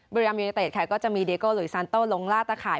บริยามยูนิเตตค่ะก็จะมีเดโกะหลุยซันโตลงลาตะข่าย